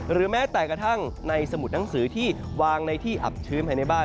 แม้แต่กระทั่งในสมุดหนังสือที่วางในที่อับชื้นภายในบ้าน